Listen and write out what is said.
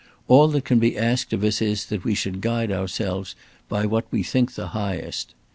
All that can be asked of us is that we should guide ourselves by what we think the highest.